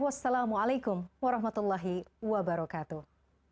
wassalamualaikum warahmatullahi wabarakatuh